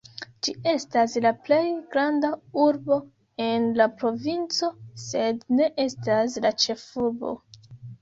Ĝi estas la plej granda urbo en la provinco sed ne estas la ĉefurbo.